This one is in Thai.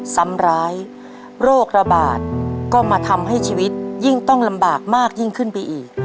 ซ้ำร้ายโรคระบาดก็มาทำให้ชีวิตยิ่งต้องลำบากมากยิ่งขึ้นไปอีก